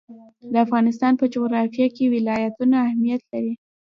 د افغانستان په جغرافیه کې ولایتونه اهمیت لري.